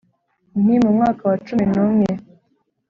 nti : mu mwaka wa cumi n'umwe